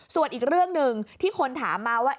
ส่วนอีกเรื่องหนึ่งที่คนถามมาว่า